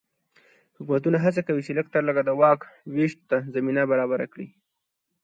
حکومتونه هڅه کوي چې لږ تر لږه د واک وېش ته زمینه برابره کړي.